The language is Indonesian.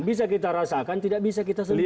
bisa kita rasakan tidak bisa kita sendiri